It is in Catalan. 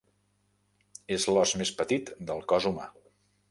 És l'os més petit del cos humà.